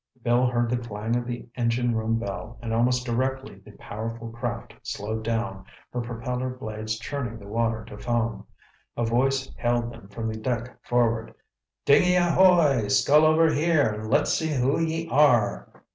Bill heard the clang of the engine room bell, and almost directly the powerful craft slowed down, her propeller blades churning the water to foam. A voice hailed them from the deck forward. "Dinghy ahoy! Scull over here and let's see who ye are!"